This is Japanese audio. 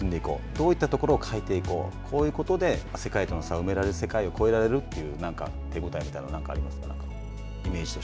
どういったところを変えていこう、こういうことで世界との差を埋められる、世界を超えられるという、なんか手応えみたいなのはありますか。